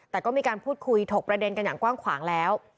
แต่ก็มีการพูดคุยถกประเด็นกันอย่างกว้างขวางแล้ว